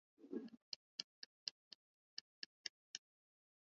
kwamba hakika mtu hawezi kuingia ufalme wa Mungu asipozaliwa mara ya pili kwa